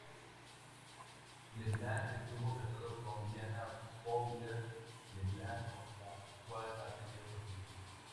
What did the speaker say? LeBlanc estuvo casado con Diana Fowler LeBlanc con la cual ha tenido cuatro hijos.